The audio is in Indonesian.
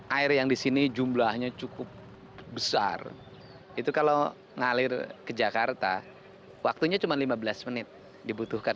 air yang di sini jumlahnya cukup besar itu kalau ngalir ke jakarta waktunya cuma lima belas menit dibutuhkan